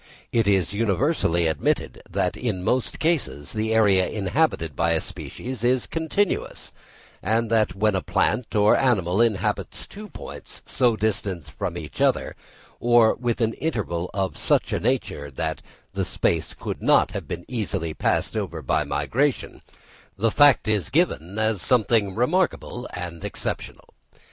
It is universally admitted, that in most cases the area inhabited by a species is continuous; and that when a plant or animal inhabits two points so distant from each other, or with an interval of such a nature, that the space could not have been easily passed over by migration, the fact is given as something remarkable and exceptional.